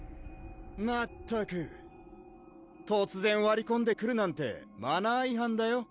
まったく突然わりこんでくるなんてマナー違反だよ